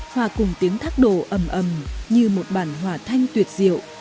hòa cùng tiếng thác đổ ấm ấm như một bản hỏa thanh tuyệt diệu